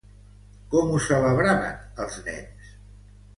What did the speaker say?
Com ho celebraven els nens?